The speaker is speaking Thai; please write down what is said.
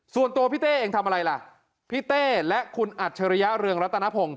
ส่วนตัวพี่เต้เองทำอะไรล่ะพี่เต้และคุณอัจฉริยะเรืองรัตนพงศ